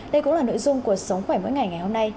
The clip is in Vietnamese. đây cũng là nội dung của sống khỏe mỗi ngày ngày hôm nay